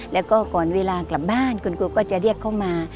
แล้วก็ก่อนเวลากลับบ้านคุณครูก็จะเรียกเข้ามา